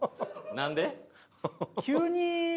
何で？